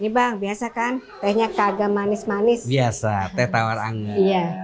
hai ibang biasa kan tehnya kagak manis manis biasa teh tawar angget